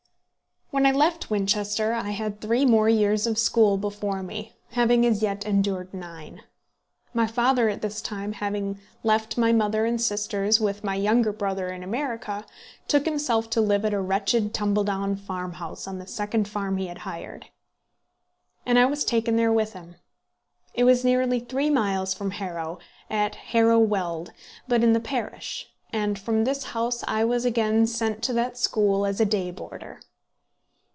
When I left Winchester, I had three more years of school before me, having as yet endured nine. My father at this time having left my mother and sisters with my younger brother in America, took himself to live at a wretched tumble down farmhouse on the second farm he had hired! And I was taken there with him. It was nearly three miles from Harrow, at Harrow Weald, but in the parish; and from this house I was again sent to that school as a day boarder.